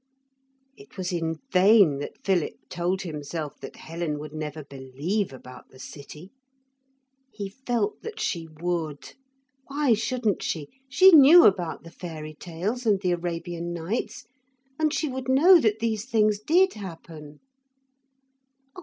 It was in vain that Philip told himself that Helen would never believe about the city. He felt that she would. Why shouldn't she? She knew about the fairy tales and the Arabian Nights. And she would know that these things did happen.